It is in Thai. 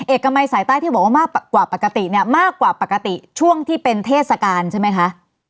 เอกมัยสายใต้ที่บอกว่ามากกว่าปกติเนี่ยมากกว่าปกติช่วงที่เป็นเทศกาลใช่ไหมคะ